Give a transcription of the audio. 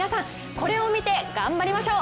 これを見て頑張りましょう。